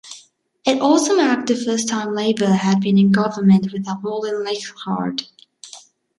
It also marked the first time Labor had been in government without holding Leichhardt.